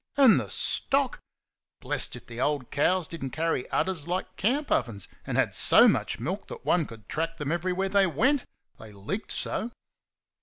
And the stock! Blest if the old cows did n't carry udders like camp ovens, and had so much milk that one could track them everywhere they went they leaked so.